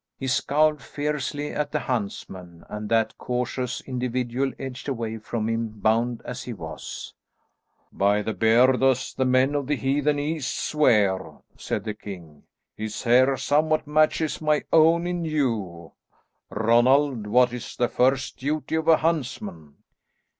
He scowled fiercely at the huntsman, and that cautious individual edged away from him, bound as he was. "By my beard! as the men of the heathen East swear," said the king, "his hair somewhat matches my own in hue. Ronald, what is the first duty of a huntsman?"